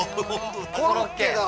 コロッケだ。